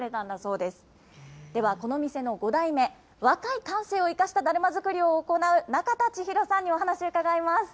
ではこの店の５代目、若い感性を生かしただるま作りを行う中田千尋さんにお話伺います。